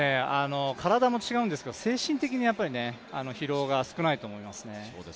体も違うんですけど精神的に疲労が少ないと思います。